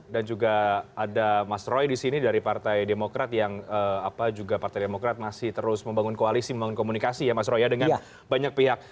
dan juga ada mas roy di sini dari partai demokrat yang juga partai demokrat masih terus membangun koalisi membangun komunikasi ya mas roy ya dengan banyak pihak